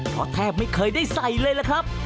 เพราะแทบไม่เคยได้ใส่เลยล่ะครับ